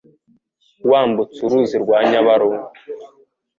wambutse uruzi rwa Nyabarongo.